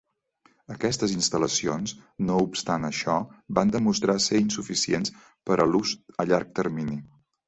Aquestes instal·lacions, no obstant això, van demostrar ser insuficients per a l'ús a llarg termini.